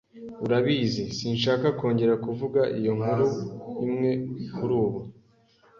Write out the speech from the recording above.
Urabizi, sinshaka kongera kuvuga iyo nkuru imwe kurubu.